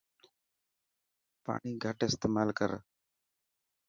پاڻي گهٽ استيمال ڪرن.